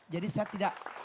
jadi saya tidak